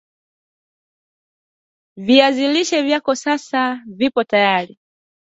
viazi lishe vyako sasa kipo tayari